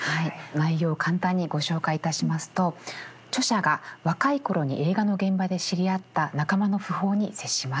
内容簡単にご紹介いたしますと著者が若い頃に映画の現場で知り合った仲間の訃報に接します。